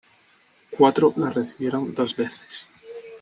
Cuatro la recibieron dos veces.